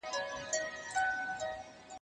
کږه غاړه توره نه خوري.